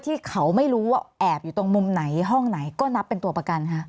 ที่เขาไม่รู้ว่าแอบอยู่ตรงมุมไหนห้องไหนก็นับเป็นตัวประกันค่ะ